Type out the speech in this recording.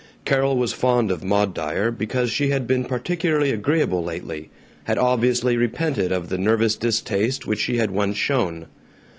Carol was fond of Maud Dyer, because she had been particularly agreeable lately; had obviously repented of the nervous distaste which she had once shown.